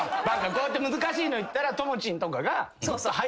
こうやって難しいの言ったらともちんとかが入れんようになる。